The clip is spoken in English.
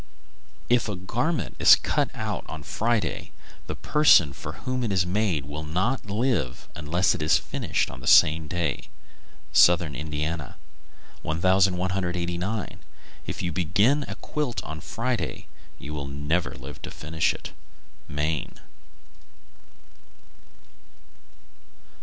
If a garment is cut out on Friday, the person for whom it is made will not live unless it is finished on the same day. Southern Indiana. 1189. If you begin a quilt on Friday, you will never live to finish it. _Maine.